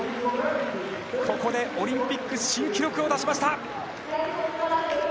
ここでオリンピック新記録を出しました。